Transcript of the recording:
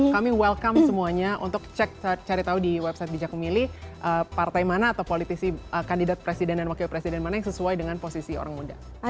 kami welcome semuanya untuk cari tahu di website bijak memilih partai mana atau politisi kandidat presiden dan wakil presiden mana yang sesuai dengan posisi orang muda